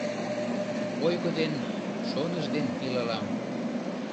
Ойго ден шоныш ден илалам.